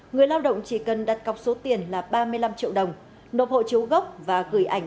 người lao động chỉ cần đặt cọc số tiền là ba mươi năm triệu đồng nộp hộ chiếu gốc và gửi ảnh